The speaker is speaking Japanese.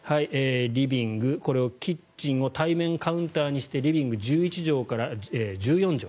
リビング、これをキッチンを対面カウンターにしてリビング、１１畳から１４畳。